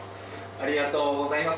ありがとうございます。